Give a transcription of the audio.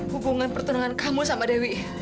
hubungan pertendangan kamu sama dewi